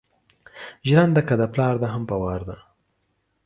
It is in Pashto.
جرنده که دا پلار ده هم په وار ده